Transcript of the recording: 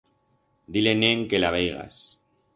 Di-le-ne en que la veigas.